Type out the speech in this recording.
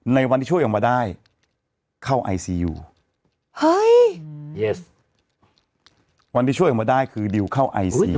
ในวันที่ช่วยออกมาได้เข้าไอซียูเฮ้ยวันที่ช่วยออกมาได้คือดิวเข้าไอซี